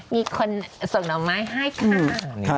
มีคนส่งหน่อไม้ให้ค่ะ